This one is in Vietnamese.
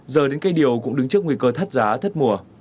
giờ đến cây điệu cũng đứng trước nguy cơ thắt giá thất mùa